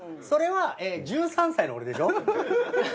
それは１３歳の俺でしょ。